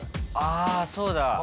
あそうだ。